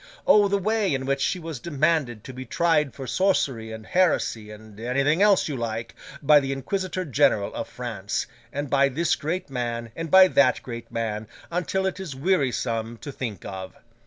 O the way in which she was demanded to be tried for sorcery and heresy, and anything else you like, by the Inquisitor General of France, and by this great man, and by that great man, until it is wearisome to think of!